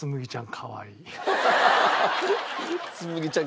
かわいい。